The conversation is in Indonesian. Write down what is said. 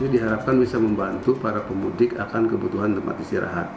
diharapkan bisa membantu para pemudik akan kebutuhan tempat istirahat